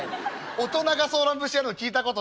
大人が『ソーラン節』やるの聞いたことないから」。